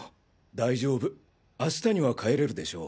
大丈夫明日には帰れるでしょう。